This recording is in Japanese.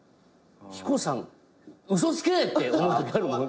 ヒコさん嘘つけ！って思うときあるもん。